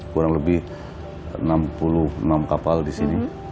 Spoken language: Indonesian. kurang lebih enam puluh enam kapal di sini